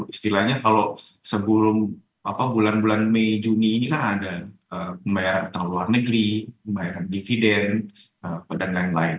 istilahnya kalau sebelum bulan bulan mei juni ini kan ada pembayaran utang luar negeri pembayaran dividen dan lain lain